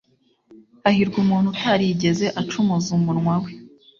Hahirwa umuntu utarigeze acumuza umunwa we,